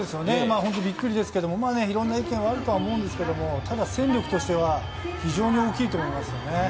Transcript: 本当にびっくりですけど、いろんな意見はあると思うんですけど、戦力としては非常に大きいと思いますよね。